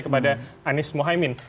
pada anies mohaimin